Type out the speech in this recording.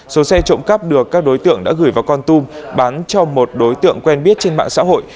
số xe trộm cắp được các đối tượng đã gửi vào con tum bán cho một đối tượng quen biết trên mạng xã hội